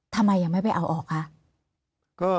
ทำไมยังไม่ไปเอาออกคะ